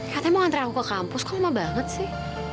katanya mau nganter aku ke kampus kok lama banget sih